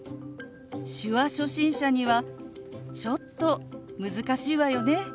手話初心者にはちょっと難しいわよね。